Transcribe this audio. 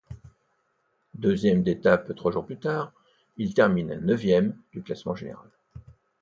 Deuxième d'étape trois jours plus tard, il termine neuvième du classement général.